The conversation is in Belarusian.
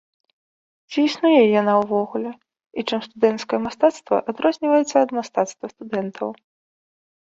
Ці існуе яна ўвогуле, і чым студэнцкае мастацтва адрозніваецца ад мастацтва студэнтаў?